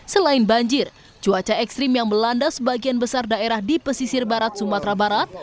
selain banjir cuaca ekstrim yang melanda sebagian besar daerah di pesisir barat sumatera barat